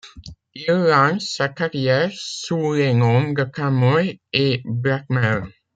Il lance sa carrière sous les noms de Kam Moye et Blackmel.